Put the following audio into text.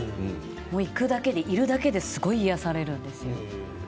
行くだけで、いるだけですごい癒やされるんですよ。